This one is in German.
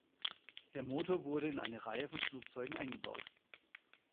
Der Motor wurde in eine Reihe von Flugzeugen eingebaut.